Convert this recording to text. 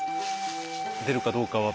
出るかどうかは。